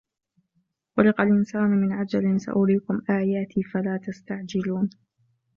خُلِقَ الْإِنْسَانُ مِنْ عَجَلٍ سَأُرِيكُمْ آيَاتِي فَلَا تَسْتَعْجِلُونِ